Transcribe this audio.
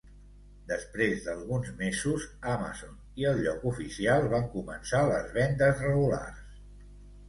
Després d'alguns mesos, Amazon i el lloc oficial van començar les vendes regulars.